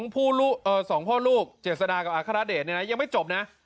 ๒พ่อลูกเจษฎากับอัครเดชยังไม่จบนะ